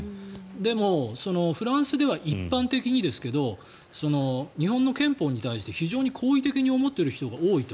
でも、フランスでは一般的にですが日本の憲法に対して非常に好意的に思っている人が多いと。